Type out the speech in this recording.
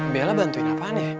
bella bantuin apaan ya